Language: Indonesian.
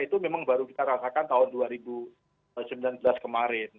itu memang baru kita rasakan tahun dua ribu sembilan belas kemarin